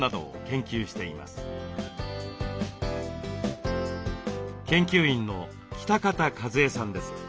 研究員の北方一恵さんです。